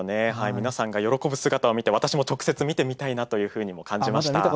皆さんが喜ぶ姿を見て私も直接見てみたいなと感じました。